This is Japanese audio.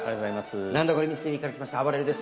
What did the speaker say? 『何だコレ！？ミステリー』から来ましたあばれるです。